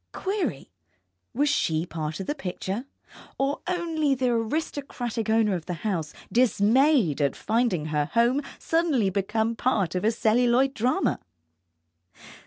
Query, was she part of the picture, or only the aristocratic owner of the house, dismayed at finding her home suddenly become part of a celluloid drama?